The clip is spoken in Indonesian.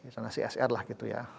sana csr lah gitu ya